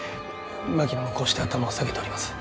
槙野もこうして頭を下げております。